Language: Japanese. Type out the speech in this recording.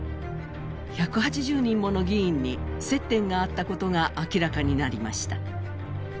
１８０人もの議員に接点があったことが明らかになりました。